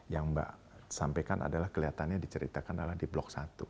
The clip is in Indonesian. yang mbak sampaikan adalah kelihatannya diceritakan adalah di blok satu